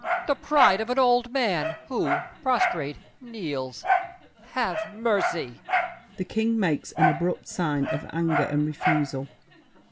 The pride of an old man, who, prostrate, kneels! Have mercy! [The King makes an abrupt sign of anger and refusal.